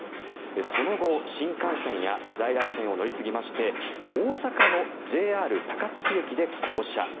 その後、新幹線や在来線を乗り継ぎまして大阪のＪＲ高槻駅で降車。